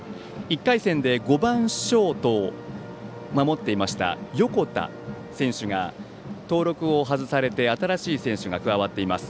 １回戦で５番ショートを守っていた横田選手が登録を外されて新しい選手が加わっています。